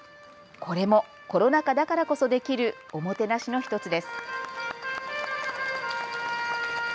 これもコロナ禍だからこそできるおもてなしの１つです。